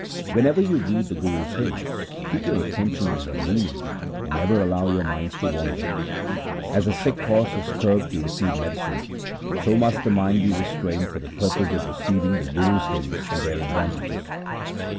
' Whenever you read the Guru's hymns, keep your attention on their meaning, and never allow your minds to wander. As a sick horse is curbed to receive medicine, so must the mind be restrained for the purpose of receiving the Guru's hymns and their advantages.